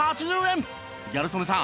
ギャル曽根さん